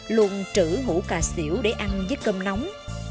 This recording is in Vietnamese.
luôn trữ hũ cà xỉu để ăn với cơm nóng